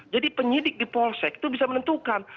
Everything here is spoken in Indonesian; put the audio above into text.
jadi penyidik di polsek itu bisa menentukan